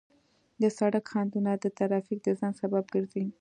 د سړک خنډونه د ترافیک د ځنډ سبب ګرځي.